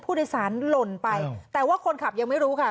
ผู้โดยสารหล่นไปแต่ว่าคนขับยังไม่รู้ค่ะ